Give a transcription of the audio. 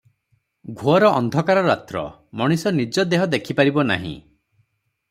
ଘୋର ଅନ୍ଧକାର ରାତ୍ର, ମଣିଷ ନିଜ ଦେହ ଦେଖିପାରିବ ନାହିଁ ।